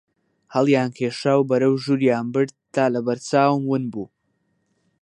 هەڵیان کێشا و بەرەو ژووریان برد تا لە بەر چاوم ون بوو